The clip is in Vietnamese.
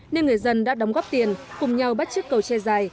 nên người dân đã đóng góp tiền cùng nhau bắt chiếc cầu treo dài